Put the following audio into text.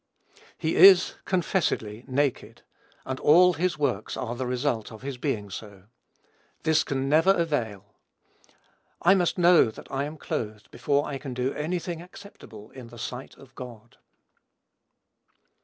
He is, confessedly, naked, and all his works are the result of his being so. This can never avail. I must know that I am clothed, before I can do any thing acceptable in the sight of God.